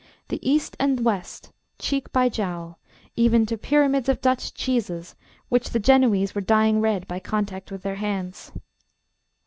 The East and the West cheek by jowl, even to pyramids of Dutch cheeses which the Genoese were dyeing red by contact with their hands.